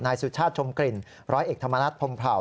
สุชาติชมกลิ่นร้อยเอกธรรมนัฐพรมเผา